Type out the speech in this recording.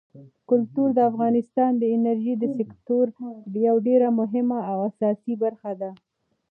کلتور د افغانستان د انرژۍ د سکتور یوه ډېره مهمه او اساسي برخه ده.